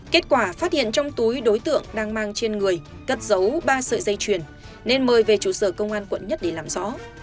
kết quả phát hiện trong túi đối tượng đang mang trên người cất giấu ba sợi dây chuyền nên mời về trụ sở công an quận một để làm rõ